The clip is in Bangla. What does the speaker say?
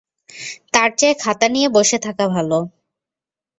তার চেয়ে খাতা নিয়ে বসে থাকা ভালো।